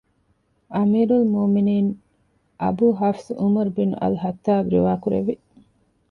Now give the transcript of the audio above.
އަމީރުލް މުއުމިނީން އަބޫ ޙަފްޞު ޢުމަރު ބިން އަލްޚައްޠާބު ރިވާ ކުރެއްވި